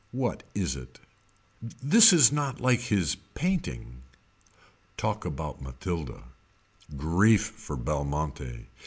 What is it. This is not like his painting. Talk about Mathilda. Grief for Belmonte.